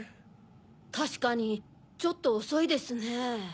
たしかにちょっとおそいですね。